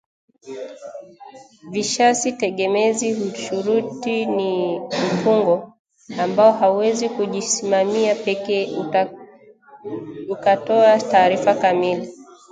Vishasi tegemezi shuruti ni utungo ambao hauwezi kujisimamia pekee ukatoa taarifa kamili